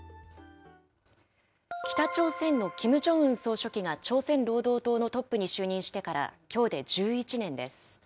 北朝鮮のキム・ジョンウン総書記が朝鮮労働党のトップに就任してから、きょうで１１年です。